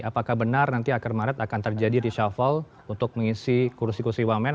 apakah benar nanti akhir maret akan terjadi reshuffle untuk mengisi kursi kursi wamen